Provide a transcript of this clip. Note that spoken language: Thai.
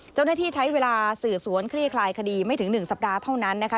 เจ้าหน้าที่ใช้เวลาสืบสวนคลี่คลายคดีไม่ถึง๑สัปดาห์เท่านั้นนะคะ